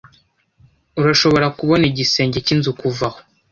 Urashobora kubona igisenge cyinzu kuva aho.